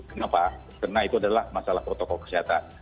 kenapa karena itu adalah masalah protokol kesehatan